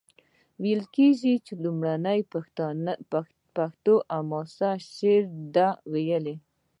ویل کیږي لومړنی پښتو حماسي شعر ده ویلی.